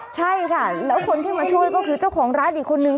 ใช่ค่ะแล้วคนที่มาช่วยก็คือเจ้าของร้านอีกคนนึง